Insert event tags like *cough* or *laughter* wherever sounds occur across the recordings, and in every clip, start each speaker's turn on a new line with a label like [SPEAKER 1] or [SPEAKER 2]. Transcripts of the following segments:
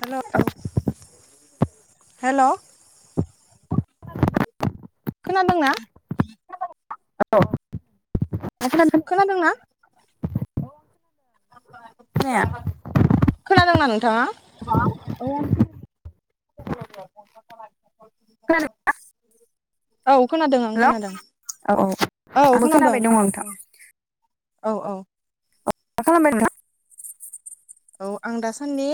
[SPEAKER 1] हेल'
[SPEAKER 2] औ
[SPEAKER 1] हेल' खोनादोंना?
[SPEAKER 2] *inaudible*
[SPEAKER 1] खोनादोंना
[SPEAKER 2] खोनाया
[SPEAKER 1] खोनादोंना नोंथाङा?
[SPEAKER 2] औ
[SPEAKER 1] *inaudible* औ खोनादों
[SPEAKER 2] हेलौ
[SPEAKER 1] आं खोनादों
[SPEAKER 2] औ औ
[SPEAKER 1] औ
[SPEAKER 2] आंबो
[SPEAKER 1] खोनादों
[SPEAKER 2] खोनाबाय दङ नोंथां
[SPEAKER 1] औ औ औ
[SPEAKER 2] मा खालामबाय दं नोंथां?
[SPEAKER 1] औ आं दासान्दि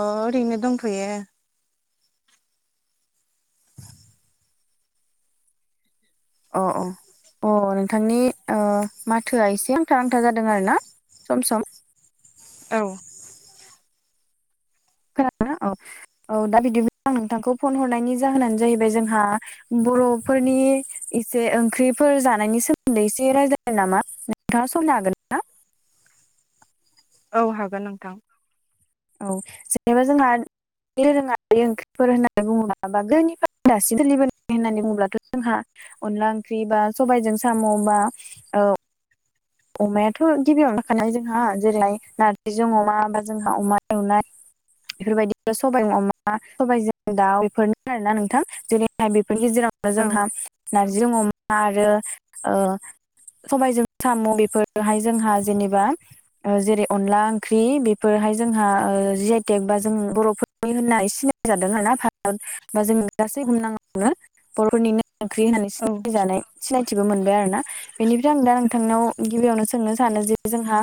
[SPEAKER 1] ओरैनो दंथ'यो
[SPEAKER 2] अ अ अ नोंथांनि ओ माथोआ एसे नांथा नांथा जादों आरोना सम सम।
[SPEAKER 1] औ
[SPEAKER 2] खोनादोंना औ औ दा बिदिनो आं नोंथांखौ फन हरनायनि जाहोनानो जाहैबाय जोंहा बर'फोरनि एसे ओंख्रिफोर जानायनि सोमोन्दै एसे रायज्लाय नामा नोंथाङा समनो हागोन ना
[SPEAKER 1] औ हागोन नोंथां
[SPEAKER 2] औ जेनेबा जोंहा दोरोङारि ओंख्रिफोर होननानै बुङोब्ला बा गोदोनिफ्राय दासिम सोलिबोनाय होननानै बुंब्लाथ' जोंहा अनला ओंख्रि बा सबायजों साम' बा ओ अमायाथ' गिबियावनो थाखानाय जोंहा जेरैहाय नारजिजों अमा बा जोंहा अमा एवनाय बेफोरबायदि सबाय अमा सबायजों दाउ बेफोरनो आरोना नोंथां जेरैहाय बेफोरनि गेजेराव
[SPEAKER 1] औ
[SPEAKER 2] जोंहा नारजि अमा आरो सबायजों साम' बेफोरहाय जोंहा जेनेबा ओ जेरै अनला ओंख्रि बेफोरहाय जोंहा ओ जि आइटेक बा जों बर' ओइ होनना सिनाय जादों आरो ना भारत बा जों गासै *unintelligible* बर'निनो ओंख्रि होननानै
[SPEAKER 1] औ
[SPEAKER 2] सिनायजानाय सिनायथिबो मोनबाय आरो ना बेनिफ्राय आं दां थांनाव गिबियावनो सोंनो सानो जे जोंहा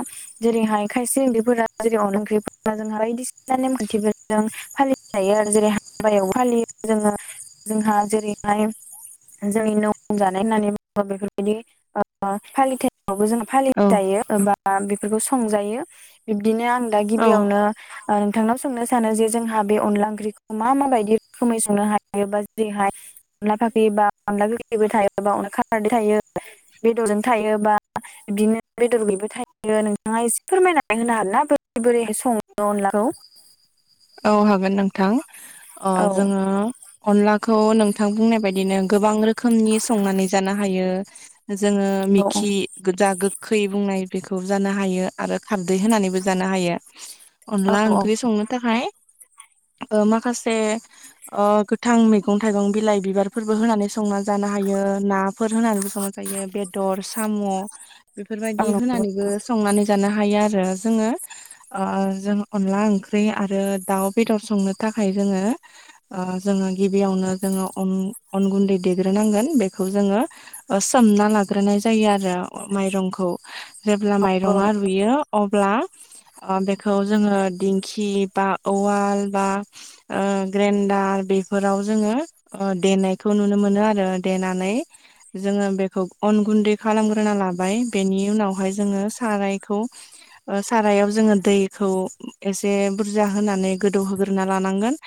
[SPEAKER 2] जेरैहाय खायसे उन्दैफोरा जेरै अनला ओंख्रिफोरा जोंहा बायदिसिना नेमखान्थिबो जों फालिनो हायो आरो जेरै हाबायाव फालियो जोङो जोंहा जेरैहाय जोंनि न लजानाय होननानै बुङो बेफोरबायदि *inaudible* फालिथायाइमावबो जों
[SPEAKER 1] औ
[SPEAKER 2] फालिजायो बबा बेफोरखौ संजायो बिब्दिनो आं दा गिबियावनो ओ नोंथांनाव संनो सानो जे जोंहा बे अनला ओंख्रिखौ मा मााबायदि रोखोमै संनो हायोबा जेरैहाय अनला फाख्रिबा अनला गोगखैबो थायोबा अनला खारदैबो थायो बेदरजोंबो थायोबा बिदिनो बेदर गैबो थायो नोंथाङा एसे फोरमायनानै होनो हागोनना बोरै बोरैहाय सङो अनलाखौ
[SPEAKER 1] औ हागोन नोंथां अ
[SPEAKER 2] औ
[SPEAKER 1] जोङो अनलाखौ नोंथां बुंनाय बायदिनो गोबां रोखोमनि संनानै जानो हायो जोङो
[SPEAKER 2] औ
[SPEAKER 1] मिखि गोजा गोखै बुंनाय बेखौ जानो हायो आरो खारदै होनानैबो जानो हायो अनला
[SPEAKER 2] औ औ
[SPEAKER 1] ओंख्रि संनो थाखाय ओ माखासे अ' गो थां मैगं थाइगं बिलाइ बिबारफोरबो होनानै संना जानो हायो ना फोर होनानैबो संनाय जायो बेदर साम' बेफोरबायदि होनानैबो संनानै जानो हायो आरो जोङो ओ जों अनला ओंख्रि आरो दाउ बेदर संनो थाखाय जोङो ओ जोङो गिबियावनो जोङो अन अन गुन्दै देग्रोनांगोन बेखौ जोङो ओ सोमना लाग्रोनाय जायो आरो माइरंखौ जेब्ला
[SPEAKER 2] औ
[SPEAKER 1] मायरंआ रुयो अब्ला बेखौ अ जोङो दिंखि बा अवाल बा ओ ग्रेन्दडार *unintelligible* बेफोराव जोङो अ देनायखौ नुनो मोनो आरो देनानै जोङो बेखौ अन गुन्दै खालामग्रोना लाबाय बेनि उनावहाय जोङो सारायखौ ओ सारायाव जोङो दैखौ एसे बुरजा होननानै गोदौ होग्रोना लानांगोन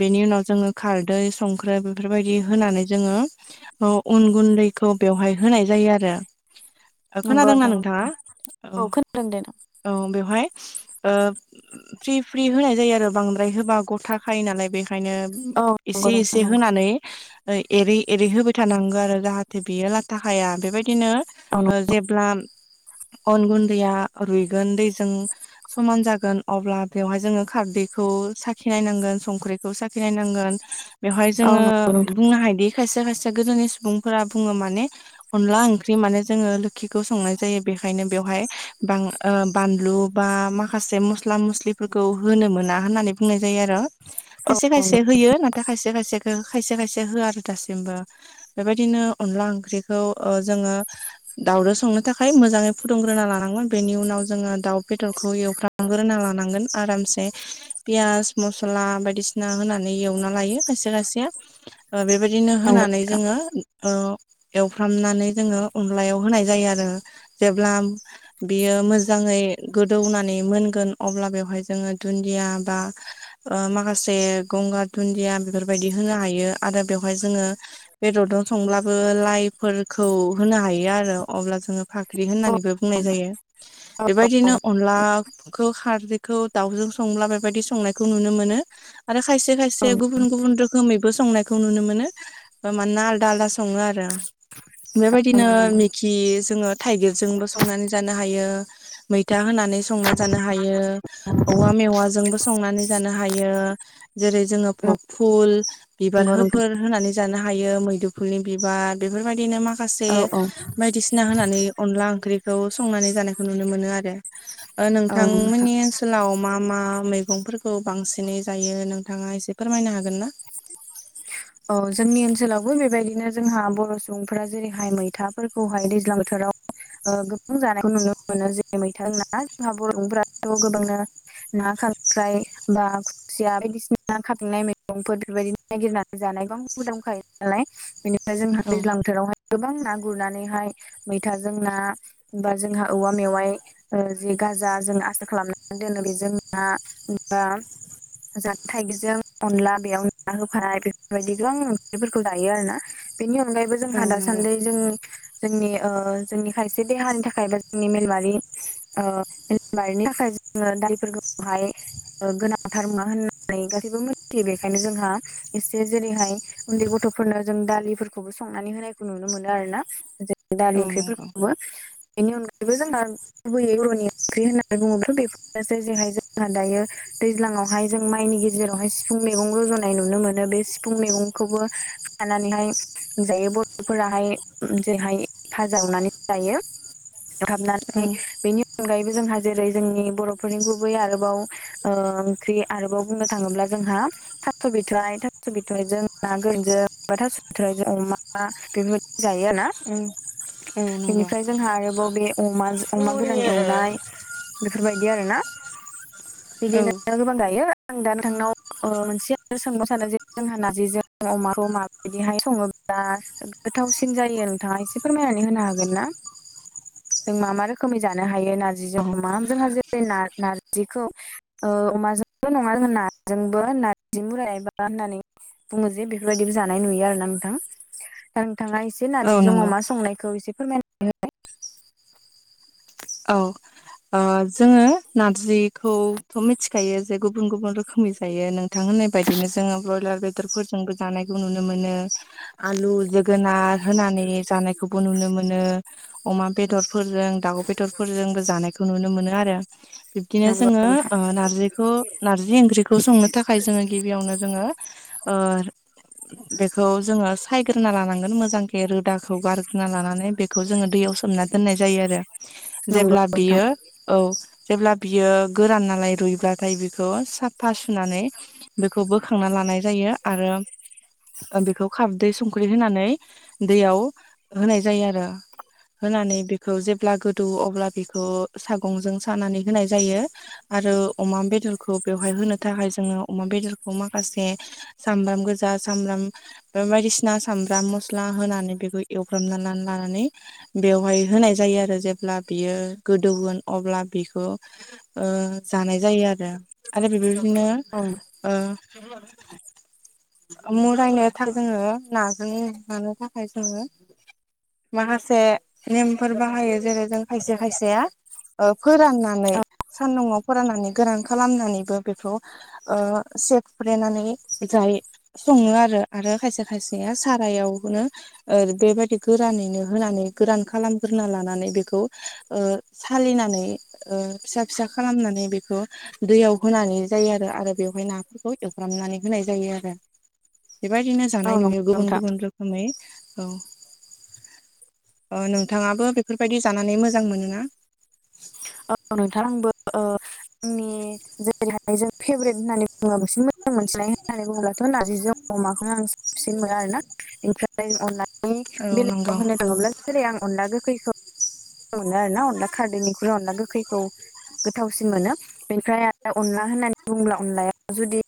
[SPEAKER 1] बेनि उनाव जोङो खारदै संख्रि बेफोरबायदि होनानै जोङो औ उन गुन्दैखौ बेवहाय होनाय जायो आरो।
[SPEAKER 2] नंगौ नंगौ
[SPEAKER 1] खोनादोंना
[SPEAKER 2] नोंथां
[SPEAKER 1] नोंथाङा औ
[SPEAKER 2] खोनादों दे
[SPEAKER 1] औ बेवहाय ओ फ्रि फ्रि होनाय जायो आरो बांद्राय होबा ग'थाखायो नालाय बेखायनो
[SPEAKER 2] औ नंगौ
[SPEAKER 1] एसे
[SPEAKER 2] नोंथां
[SPEAKER 1] एसे
[SPEAKER 2] नंगौ
[SPEAKER 1] होनानै ओ एरै एरै होबाय थानांगो आरो जाहाथे बेयो लाथा खाया बेबायदि बिदिनो
[SPEAKER 2] औ
[SPEAKER 1] ओ
[SPEAKER 2] नंगौ
[SPEAKER 1] जेब्ला अन गुन्दैया रुइगोन दैजों समान जागोन अब्ला बेवहाय जोङो खारदैखौ साखिनाय नांगोन संख्रिखौ साखिनाय नांगोन बेवहाय
[SPEAKER 2] औ
[SPEAKER 1] जोङो
[SPEAKER 2] नंगौ नोंथां
[SPEAKER 1] बुंनो हायोदि खायसे खायसे गोदोनि सुबुंफोरा बुङो माने अनला ओंख्रि माने जोङो लोखिखौ संनाय जायो बेखायनो बेवहाय बां ओ बानलु बा माखासे मस्ला मस्लिफोरखौ होनो मोना होननानै बुंनाय जायो आरो
[SPEAKER 2] औ
[SPEAKER 1] खायसे खायसे
[SPEAKER 2] नंगौ
[SPEAKER 1] होयो नाथाय खायसे खायसेखौ खायसे खायसे होआ आरो दासिमबो। बेबायदिनो अनला ओंख्रिखौ ओ जोङो दाउजों संनो थाखाय मोजाङै फुदुंग्रोना लानांगोन बेनि उनाव जोङो दाउ बेदरखौ एवफ्राम ग्रोना लानांगोन आरामसे पियास मसला बायदिसिना होनानै एवना लायो खायसे खायसेया ओ बेबायदिनो
[SPEAKER 2] नंगौ
[SPEAKER 1] होनानै
[SPEAKER 2] नोंथां
[SPEAKER 1] जोङो ओ एवफ्रामनानै जोङो अनलायाव होनाय जायो आरो जेब्ला बियो मोजाङै गोदौनानै मोनगोन अब्ला बेवहाय जोङो दुन्दिया बा ओ माखासे गंगार दुन्दिया बेफोरबायदि होनो हायो आरो बेवहाय जोङो बेदरजों संब्लाबो लाइफोरखौ होनो हायो आरो अब्ला जोङो फा ओंख्रि होननानैबो
[SPEAKER 2] औ
[SPEAKER 1] बुंनाय जायो
[SPEAKER 2] औ औ
[SPEAKER 1] बेबायदिनो अनलाखौ खारदैखौ दाउजों सं लाबायनाय बेबादि संनायखौ नुनो मोनो आरो खायसे
[SPEAKER 2] नंगौ
[SPEAKER 1] खायसे गुबुन गुबुन रो रोखोमैबो संनायखौ नुनो मोनो ओ मानोना आलदा आलदा सङो आरो बेबायदिनो
[SPEAKER 2] नंगौ
[SPEAKER 1] मिगि जोङो थाइगिरजोंबो संनानै जानो हायो। मैथा होनानै संना जानो हायो औ औवा मेवाजोंबो संनानै जानो हायो जेरै जोङो भग फुल बिबार
[SPEAKER 2] नंगौ नोंथां
[SPEAKER 1] होफोर होनानै जानो हायो मैदुफुलनि बिबार बेफोरबायदिनो माखासे
[SPEAKER 2] औ औ
[SPEAKER 1] बायदिसिना होनानै अनला ओंख्रिखौ संनानै जानायखौ नुनो मोनो आरो ओ
[SPEAKER 2] औ नंगौ नोंथां
[SPEAKER 1] नोंथांमोननि ओनसोलाव मा मा मैगंफोरखौ बांसिनै जायो नोंथाङा एसे फोरमायनो हागोन ना?
[SPEAKER 2] औ जोंनि ओनसोलावबो बेबायदिनो जोंहा बर' सुबुंफोरा जेरैहाय मैथाफोरखौहाय दैज्लां बोथोराव ओ गोबां जानायखौ नुनो मोनो जेरै मैथाजों ना जोंहा बर'फोरा गोबांनो ना खांख्राय बा खुसिया बायदिसिना मैगंफोर बेफोरबायदिनो नायगिरना जानायबो हुदाबो दंखायो नालाय बेनिफ्राय जोंहा
[SPEAKER 1] औ
[SPEAKER 2] दैज्लां बोथोरावहाय गोबां ना गुरनानैहाय मैथाजों ना बा जोंहा औवा मेवाइ ओ जि गाजा जों आसार खालामनानै दोनो बे जोंहा बा जोंहा थाइगिजों अनला बेयाव ना होफानाय बे बेबायदि गोबां ओंख्रिफोरखौ जायो आरो ना बेनि अनगायैबो
[SPEAKER 1] औ
[SPEAKER 2] जोंहा
[SPEAKER 1] नंगौ
[SPEAKER 2] दासान्दि जों जोंनि ओ जोंनि खायसे देहानि थाखाय बा जोंनि मेलमारि ओ बारिनि थाखाय जोङो दालिफोरखौहाय ओ गोनांथार मुवा होननानै गासैबो मिनथियो बेखायनो जोंहा एसे जेरैहाय उन्दै गथ'फोरनो जों दालिफोरखौबो संनानै होनायखौ नुनो मोनो आरो ना जे दालि
[SPEAKER 1] औ नंगौ
[SPEAKER 2] ओंख्रिफोरखौबो बेनि अनगायैबो जोंना गुबैयै *unintelligible* र'नि ओंख्रि होननानै बुङोबाथ' बेफोरनोसै जेहाय जोंहा दायो। दैज्लांआवहाय जों माइनि गेजेरावहाय सिफुं मैगं रज'नाय नुनो मोनो नो। बे सिफुं मैगंखौबो खानानैहाय जायो बर'फोराहाय जेरैहाय भाजा एवनानै बो जायो
[SPEAKER 1] औ
[SPEAKER 2] एवथाबनानै बेनि अनगायैबो जोंहा जेरै जोंनि बर'फोरनि गुबै आरोबाव ओ ओंख्रि आरोबाव बुंनो थाङोब्ला जोंहा थास' बिथराइ था *unintelligible* बिथराइजों ना‌ गोरानजों थास' बिथराइ जों अमा बेफोर बायदि जायो आरोना
[SPEAKER 1] औ औ नंगौ
[SPEAKER 2] बेनिफ्राय जोंहा आरोबाव बे अमा जो अमा गोरान एवनाय बेफोरबायदि आरोना
[SPEAKER 1] औ
[SPEAKER 2] बिदिनो गोबां गायो। आं दा नोंथांनाव ओ मोनसे *unintelligible* सानो जे जोंहा नारजिजों अमाखौ माबायदिहाय सङोब्ला गोथावसिन जायो नोंथाङा एसे फोरमायनानै होनो हागोन ना? जों मा मा रोखोमै जानो हायो नार्जिजों अमा जोंहा जेरै ना-नारजिखौ ओ अमाजोंबो नङा जोङो नाजोंबो नारजि बुरायबा एबा *unintelligible* बुङो जे बेफोरबायदिबो जानाय नुयो आरोना नोंथां। *unintelligible* दा नोंथाङा एसे
[SPEAKER 1] औ
[SPEAKER 2] नारजिजों
[SPEAKER 1] नंगौ
[SPEAKER 2] अमा संनायखौ एसे फोरमायना
[SPEAKER 1] औ ओ जोङो नारजिखौथ' मिथिखायो जे गु गुबुन गुबुन रोखोमै जायो नोंथां होननाय बायदिनो जोङो ब्रयलार बेदरफोरजोंबो जानायखौ नुनो मोनो आलु जोगोनार होनानै जानायखौबो नुनो मोनो अमा बेदरफोरजों दाउ बेदरफोरजोंबो जानायखौ नुनो मोनो आरो बिब्दिनो
[SPEAKER 2] हो नंगौ
[SPEAKER 1] जोङो
[SPEAKER 2] नोंथां
[SPEAKER 1] ओ नारजिखौ नारजि ओंख्रिखौ संनो थाखाय जोङो गिबियावनो जोङो ओ बेखौ जोङो सायग्रोना लानांगोन मोजांखि रोदाखौ गारग्रोना लानानै बे खौ जोङो दैयाव सोमना दोननाय जायो आरो
[SPEAKER 2] नंगौ
[SPEAKER 1] जेब्ला
[SPEAKER 2] नोंथां
[SPEAKER 1] बेयो औ जेब्ला बियो गोरान नालाय रुइब्लाथाय बिखौ साफा सुनानै बेखौ बोखांना लानाय जायो आरो बेखौ खारदै सं *unintelligible* होनानै दैयाव होनाय जायो आरो। होनानै बेखौ जेब्ला गोदौ अब्ला बेखौ सागंजों सानानै होनाय जायो। आरो अमा बेदरखौ बेवहाय होनो थाखाय जोङो अमा बेदरखौ माखासे सामब्राम गोजा सामब्राम ओ बायदिसिना सामब्राम मस्ला होनानै बेखौ एवग्राम लानानै बेवहाय होनाय जायो आरो जेब्ला बियो गोदौगोन अब्ला बेखौ ओ जानाय जायो आरो आरो बेबायदिनो
[SPEAKER 2] अ
[SPEAKER 1] ओ *unintelligible* मुरायनो थार जोङो नाजों नानो थाखाय जोङो माखासे नेमफोर बाहायो जेरै जों खायसे खायसेया फोराननानै सानदुंआव फोराननानै गोरान खालामनानैबो बेखौ ओ सेक फ्लेनानै जायो। सङो आरो आरो खायसे खायसेया सारायावनो ओ बेबायदि गोरानैनो होनानै गोरान खालामग्रोना लानानै बेखौ ओ सालिनानै ओ फिसा फिसा खालामनानै बेखौ दैयाव होनानै जायो आरो आरो बेवहाय नाफोरखौ एवफ्रामनानै होनाय जायो आरो बेबायदिनो जानाय नुयो
[SPEAKER 2] नंगौ
[SPEAKER 1] गुबुन
[SPEAKER 2] नोंथां
[SPEAKER 1] गुबुन रो खोमै‌ औ औ नोंथाङाबो बेफोरबायदि जाना नानै मोजां मोनोना?
[SPEAKER 2] औ नोंथां आंबो ओ। आंनि जेरैहाय जोंनि फेभरेट होननानै बुङोबा बांसिन मोजां मोननाय होननानै बुङोब्लाथ' नारजि जों अमाखौनो आं साबसिन मोनो आरोना ओमफ्राय अननानै
[SPEAKER 1] औ
[SPEAKER 2] बेलेगाव
[SPEAKER 1] नंगौ
[SPEAKER 2] होनो थाङोब्ला जेरै आं अनला गोखैखौ मोजां मोनो आरो ना अनला खारदैनिख्रुइ अनला गोखैखौ गोथावसिन मोनो बेनिफ्राय आरो अनला होननानै बुङोब्ला अनलाया जुदि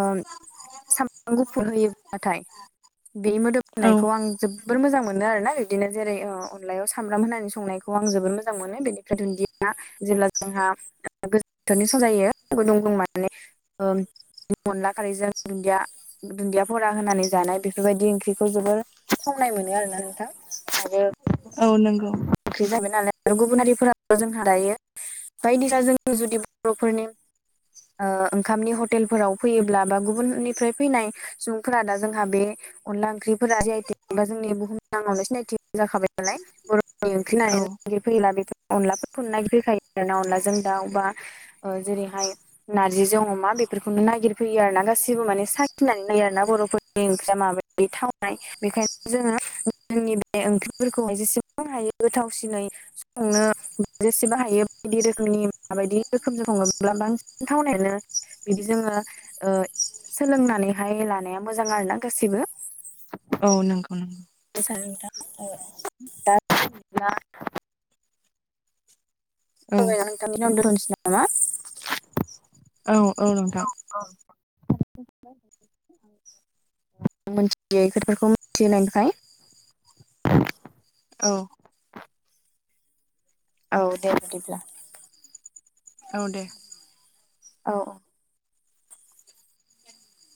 [SPEAKER 2] ओ सामब्राम गुफुर होयोब्लााथाय बे
[SPEAKER 1] औ
[SPEAKER 2] मोदोमनायखौ आं जोबोर मोजां मोनो आरोना बिदिनो जेरै ओ अनलायाव सामब्राम होनानै संनायखौ आं जोबोद मोजां मोनो बिदि दुन्दिया जेब्ला जोंहा गोजोथोरनि सम जायों गुदुं ग माने ओ अनला खारैजों दुन्दिया दुन्दिया फरा होनानै जानाय बेफोरबायदि ओंख्रिखौ जोबोर संनाय मोनो आरो ना नोंथां। आरो
[SPEAKER 1] औ नंगौ
[SPEAKER 2] ओंख्रि जाबाय नालाय आरो गुबुनारिफोरा जोंहा दायो बायदिना जों जुदि बर'फोरनि ओ ओंखामनि हटेलफोराव फैयोब्ला बा गुबुननिफ्राय फैनाय सुबुंफोरा दा जोंहा बे अनला ओंख्रिफोरा जि आइ टेक मोनबा जोंनि बुुहुमनांआवनो सिनायथि जाखाबाय नालाय बर' ओंख्रिनानै
[SPEAKER 1] औ
[SPEAKER 2] ननायागिरफैयोला बेखौ अनलाफोरखौनो ननायागिरफैखायो आरोना अनला जों दाउ बा ओ जेरैहाय नारजिजों अमा बेफोरखौनो नागिर फैयो आरोना गासिबो माने साखिनानै नायो आर ना बर'फोर बे ओंख्रिया माबोरदि थावनाय बेखायनो जोङो जोंनि बे ओंख्रिफोरखौहाय जेसेबां हायो गोथावसिनै संनो जेसेबां हायो बायदि रोखोमनि माबायदि रोखोमजों सङोब्ला बांसिन थावनायानो बिदि जोङो ओ सोलोंनानैहाय लानाया मोजां आरो ना गासिबो
[SPEAKER 1] औ नंगौ नंगौ
[SPEAKER 2] *unintelligible*
[SPEAKER 1] औ
[SPEAKER 2] अ' नोंथां होनबा बे खिनियाव नो दोनथ'नोसै नामा?
[SPEAKER 1] औ औ नोंथां
[SPEAKER 2] औ मिथियोफोरखौ मिथि होनायनिफ्राय
[SPEAKER 1] औ
[SPEAKER 2] औ दे बिदिब्ला
[SPEAKER 1] औ दे
[SPEAKER 2] औ